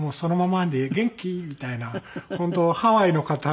「元気？」みたいな本当ハワイの方で。